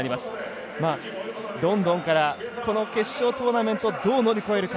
ロンドンからこの決勝トーナメントをどう乗り越えるか。